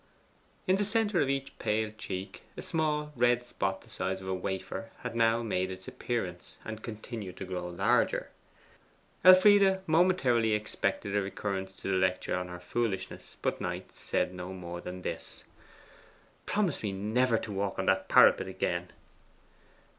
In the centre of each pale cheek a small red spot the size of a wafer had now made its appearance, and continued to grow larger. Elfride momentarily expected a recurrence to the lecture on her foolishness, but Knight said no more than this 'Promise me NEVER to walk on that parapet again.